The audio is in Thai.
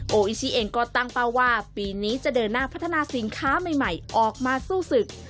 โออิชิเองก็ตั้งเป้าว่าปีนี้จะเดินหน้าพัฒนาสินค้าใหม่ออกมาสู้ศึก